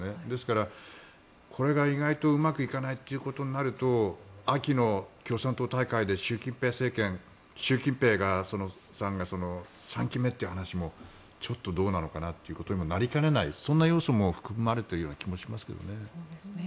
ですから、これが意外とうまくいかないということになると秋の共産党大会で習近平政権習近平さんが３期目という話もちょっとどうなのかなということにもなりかねない要素に含まれている気がします。